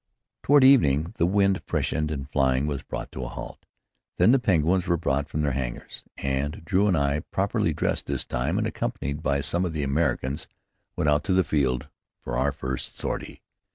Toward evening the wind freshened and flying was brought to a halt. Then the Penguins were brought from their hangars, and Drew and I, properly dressed this time, and accompanied by some of the Americans, went out to the field for our first sortie.